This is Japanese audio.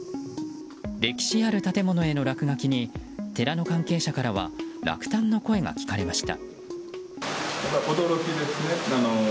歴史ある建物への落書きに寺の関係者からは落胆の声が聞かれました。